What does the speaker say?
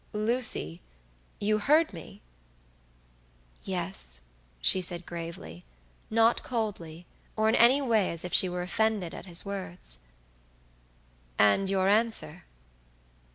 "Lucy, you heard me?" "Yes," she said, gravely; not coldly, or in any way as if she were offended at his words. "And your answer?"